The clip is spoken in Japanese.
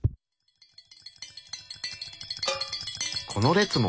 この列も！